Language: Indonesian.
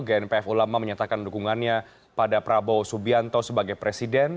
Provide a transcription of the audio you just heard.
gnpf ulama menyatakan dukungannya pada prabowo subianto sebagai presiden